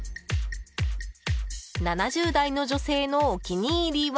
７０代の女性のお気に入りは。